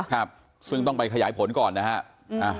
ครับซึ่งต้องไปขยายผลก่อนนะฮะ